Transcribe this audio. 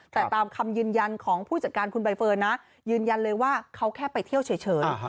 แต่ตามคำยืนยันของผู้จัดการคุณใบเฟิร์นนะยืนยันเลยว่าเขาแค่ไปเที่ยวเฉย